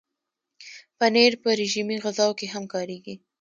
پنېر په رژیمي غذاوو کې هم کارېږي.